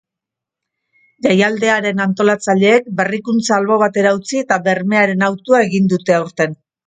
Jaialdiaren antolatzaileek berrikuntza albo batera utzi eta bermearen autua egin dute aurten.